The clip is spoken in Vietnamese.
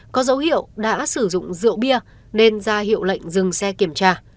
có dấu hiệu đã sử dụng rượu bia nên ra hiệu lệnh dừng xe kiểm tra